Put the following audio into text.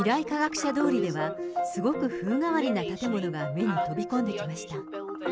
科学者通りでは、すごく風変わりな建物が目に飛び込んできました。